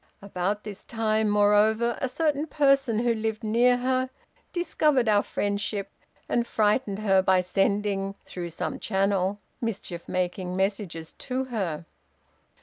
About this time, moreover, a certain person who lived near her, discovered our friendship, and frightened her by sending, through some channel, mischief making messages to her.